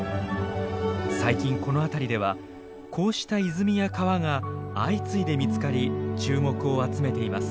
最近この辺りではこうした泉や川が相次いで見つかり注目を集めています。